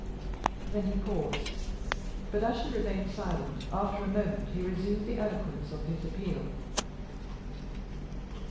Then he paused; but, as she remained silent, after a moment he resumed the eloquence of his appeal.